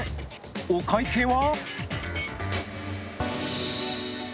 お会計は？